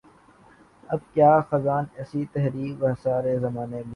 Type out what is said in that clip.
اب کے خزاں ایسی ٹھہری وہ سارے زمانے بھول گئے